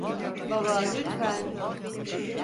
Baba, lütfen…